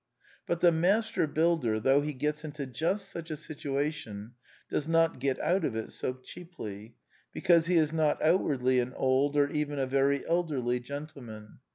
But the master builder, though he gets into just such a situation, does not get out of it so cheaply, because he is not outwardly an old, or even a very elderly gentleman.